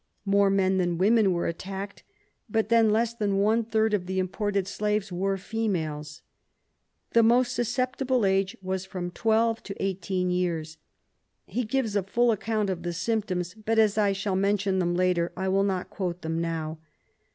More men than women were attacked, but then less than one third of the imported slaves were females. The most susceptible age was from twelve to eighteen years. He gives a full account of the symptoms, but, as I shall mention them later, I will not quote them now.